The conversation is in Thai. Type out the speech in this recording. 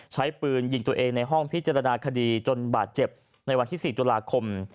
ใช้ปืนยิงตัวเองในห้องพิจารณาคดีจนบาดเจ็บในวันที่๔ตุลาคม